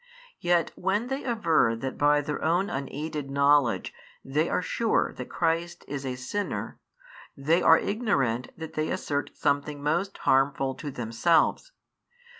Yet when they aver that by their own unaided knowledge they are sure that Christ is a sinner, they are ignorant that they assert something most harmful to themselves.